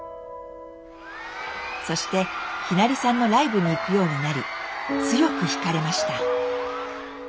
そしてひなりさんのライブに行くようになり強くひかれました。